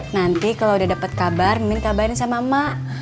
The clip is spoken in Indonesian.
nanti kalau udah dapet kabar mimin kabarin sama mak